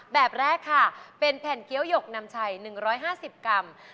แบบแรกค่ะเป็นแผ่นเกี้ยวยกนำชัยหนึ่งร้อยห้าสิบกรัม